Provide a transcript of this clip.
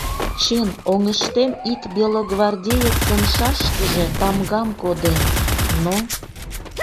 Чын, оҥыштем ик белогвардеецын шашкыже тамгам коден, но...